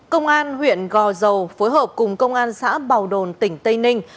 công an huyện gò dầu phối hợp cùng công an xã bào đồn tỉnh tây ninh